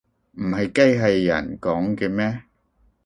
唔係機器人講嘅咩